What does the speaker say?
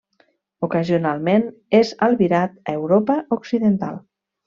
Ocasionalment és albirat a Europa Occidental.